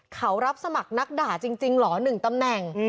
เขารับสมัครนักด่าจริงเหรอ๑ตำแหน่ง